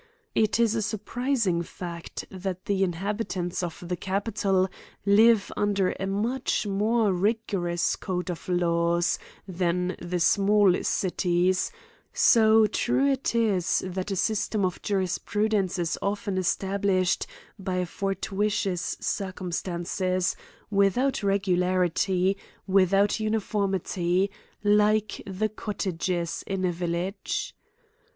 It is a surprising fact, that the inhabitants of the capital live under a much more rigorous code of laws, than the small cities ; so true is it, that a system of jurisprudence is of ten established by fortuitous circumstances, with out regularity, without uniformity, like the cotta ges in a village.